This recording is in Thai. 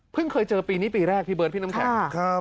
เคยเจอปีนี้ปีแรกพี่เบิร์ดพี่น้ำแข็ง